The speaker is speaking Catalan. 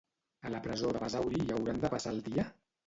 A la presó de Basauri hi hauran de passar el dia?